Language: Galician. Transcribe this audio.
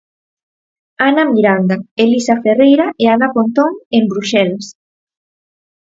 Ana Miranda, Elisa Ferreira e Ana Pontón, en Bruxelas.